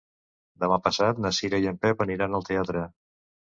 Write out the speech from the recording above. Demà passat na Cira i en Pep aniran al teatre.